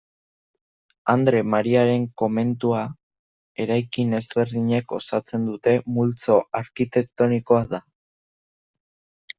Andre Mariaren komentua, eraikin ezberdinek osatzen duten multzo arkitektonikoa da.